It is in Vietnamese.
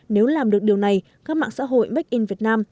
nếu làm được điều này các mạng xã hội make in việt nam